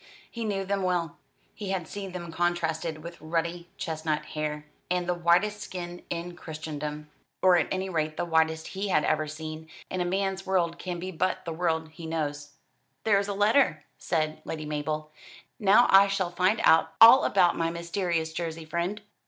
He knew them well. He had seen them contrasted with ruddy chestnut hair, and the whitest skin in Christendom or at any rate the whitest he had ever seen, and a man's world can be but the world he knows. "There is a letter," said Lady Mabel. "Now I shall find out all about my mysterious Jersey friend."